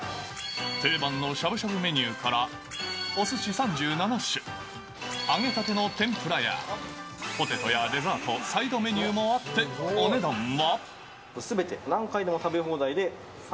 定番のしゃぶしゃぶメニューから、おすし３７種、揚げたての天ぷらや、ポテトやデザート、サイドメニューもあって、お値段は。